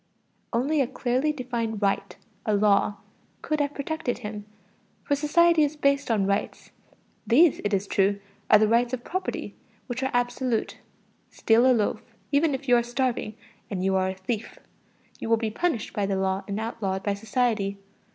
Only a clearly defined right, a law, could have protected him, for society is based on rights. These, it is true, are the rights of property, which are absolute; steal a loaf, even if you are starving, and you are a thief. You will be punished by the law and outlawed by society.